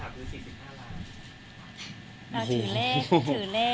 เกิดได้ค่ะคือ๔๕ล้าน